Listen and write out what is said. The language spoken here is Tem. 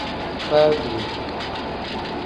Baa doo.